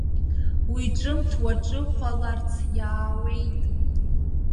Уи ҿымҭ уаҿыхәаларц иаауеит.